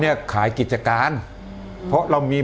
เอ่อเขาจะไปอยู่ประเทศลาวไม่